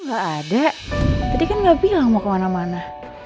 gak ada tadi kan nggak bilang mau kemana mana